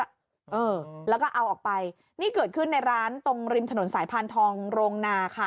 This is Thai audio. เออแล้วก็เอาออกไปนี่เกิดขึ้นในร้านตรงริมถนนสายพานทองโรงนาค่ะ